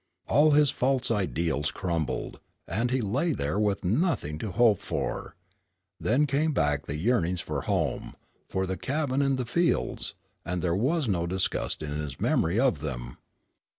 All his false ideals crumbled, and he lay there with nothing to hope for. Then came back the yearnings for home, for the cabin and the fields, and there was no disgust in his memory of them.